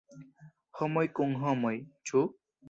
“Homoj kun homoj”, ĉu?